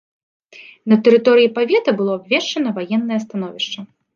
На тэрыторыі павета было абвешчана ваеннае становішча.